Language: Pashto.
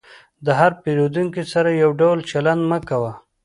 د هر پیرودونکي سره یو ډول چلند مه کوه.